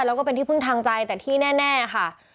แล้วก็เป็นที่พึ่งทางใจแต่ที่แน่ค่ะ